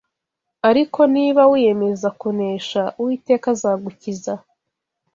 Ariko niba wiyemeza kunesha, Uwiteka azagukiza